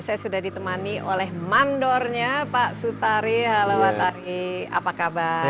saya sudah ditemani oleh mandornya pak sutari halo pak ari apa kabar